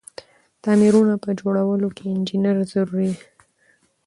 تعميرونه په جوړولو کی انجنیر ضروري ده.